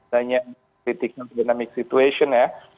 banyak kritik dan dynamic situation ya